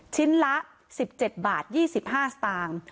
ชิ้นละ๑๗บาท๒๕สตางค์